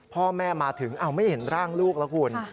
พ่อแม่มาถึงไม่เห็นร่างลูกแล้วคุณ